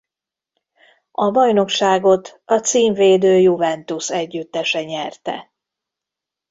A bajnokságot a címvédő Juventus együttese nyerte.